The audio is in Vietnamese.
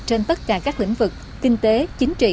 trên tất cả các lĩnh vực kinh tế chính trị